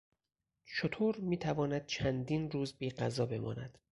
شتر میتواند چندین روز بیغذا بماند.